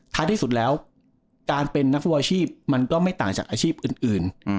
ที่สุดแล้วการเป็นนักฟุตบอลชีพมันก็ไม่ต่างจากอาชีพอื่น